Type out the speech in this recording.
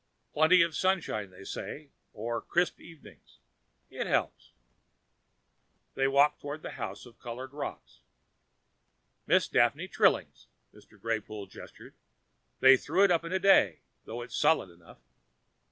Plenty of sunshine, they said, or crisp evening. It helps." They walked toward a house of colored rocks. "Miss Daphne Trilling's," said Mr. Greypoole, gesturing. "They threw it up in a day, though it's solid enough."